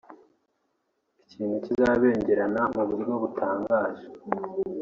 ikintu kizabengerana mu buryo butangaje